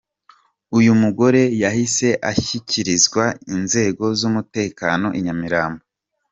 Uyu mugore yahise ashyikirizwa inzego z’umutekano i Nyamirambo.